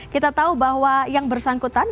kita tahu bahwa yang bersangkutan